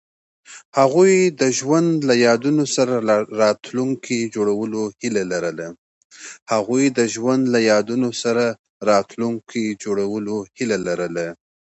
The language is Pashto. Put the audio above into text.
هغوی د ژوند له یادونو سره راتلونکی جوړولو هیله لرله.